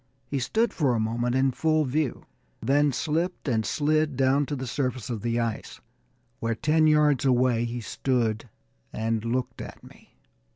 He stood for a moment in full view then slipped and slid down to the surface of the ice, where, ten yards away, he stood and looked at me.